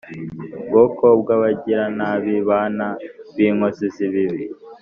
bwoko bw’abagiranabi, bana b’inkozi z’ibibi!